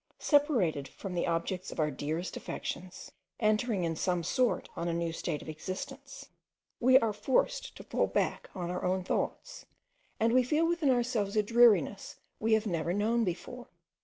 Separated from the objects of our dearest affections, entering in some sort on a new state of existence, we are forced to fall back on our own thoughts, and we feel within ourselves a dreariness we have never known before.